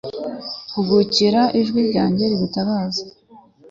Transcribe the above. hugukira ijwi ryanjye rigutabaza